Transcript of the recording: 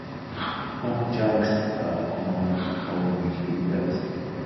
Pumpjacks are common in oil-rich areas.